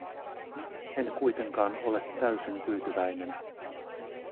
En kuitenkaan ole täysin tyytyväinen.